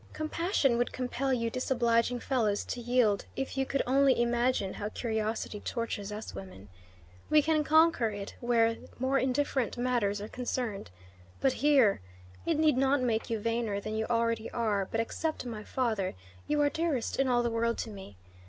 Compassion would compel you disobliging fellows to yield, if you could only imagine how curiosity tortures us women. We can conquer it where more indifferent matters are concerned. But here! it need not make you vainer than you already are, but except my father, you are dearest in all the world to me.